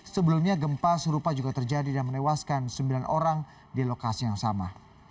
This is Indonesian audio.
sebelumnya gempa serupa juga terjadi dan menewaskan sembilan orang di lokasi yang sama